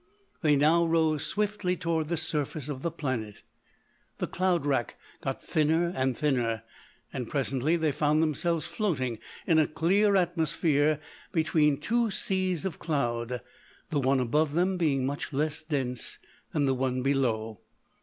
They now rose swiftly towards the surface of the planet. The cloud wrack got thinner and thinner, and presently they found themselves floating in a clear atmosphere between two seas of cloud, the one above them being much less dense than the one below.